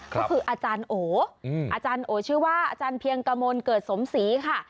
ก็คืออาจารย์โออาจารย์โอชื่อว่าอาจารย์เพียงกมลเกิดสมศรีค่ะ